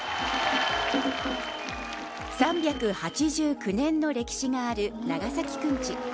３８９年の歴史がある長崎くんち。